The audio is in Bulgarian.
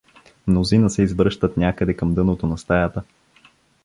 Мнозина се извръщат някъде към дъното на стаята.